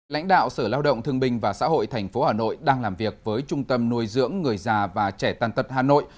lãnh đạo sở lao động thương bình và xã hội tp hà nội đang làm việc với trung tâm nuôi dưỡng người già và trẻ tàn tật hà nội